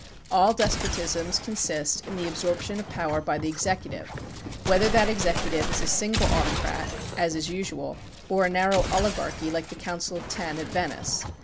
All despotisms consist in the absorption of power by the executive, whether that executive is a single autocrat, as is usual, or a narrow oligarchy like the Council of Ten at Venice.